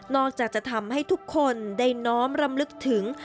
อกจากจะทำให้ทุกคนได้น้อมรำลึกถึง